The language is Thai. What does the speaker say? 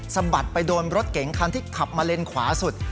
สะบัดไปโดนรถเก๋งคันที่ขับมาเลนขวาสุด